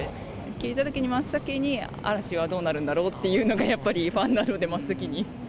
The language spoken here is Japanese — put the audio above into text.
聞いたときに、真っ先に、嵐はどうなるんだろうっていうのがやっぱりファンなので真っ先に。